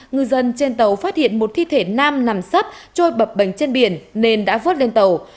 người dân trên tàu phát hiện một thi thể nam nằm sắp trôi bập bệnh trên biển nên đã vớt lên tàu